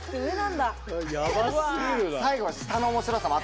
やばすぎるな。